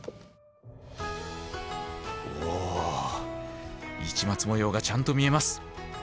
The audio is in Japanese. お市松模様がちゃんと見えます。